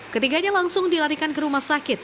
ketiganya langsung dilarikan ke rumah sakit